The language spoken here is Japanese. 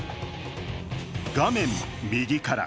画面右から